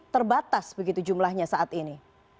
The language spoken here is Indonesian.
terbatas begitu jumlahnya saat ini